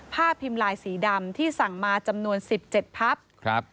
พิมพ์ลายสีดำที่สั่งมาจำนวน๑๗พับ